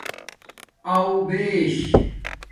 اݸو بیش